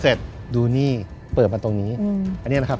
เสร็จดูนี่เปิดมาตรงนี้อืมอันนี้นะครับ